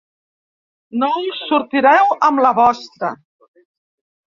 No us sortireu amb la vostra.